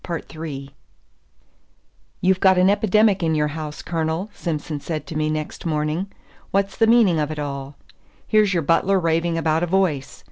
"You've got an epidemic in your house, Colonel," Simson said to me next morning. "What's the meaning of it all? Here's your butler raving about a voice.